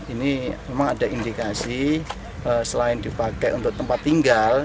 ini memang ada indikasi selain dipakai untuk tempat tinggal